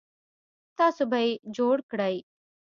تاسو به یې جوړ کړئ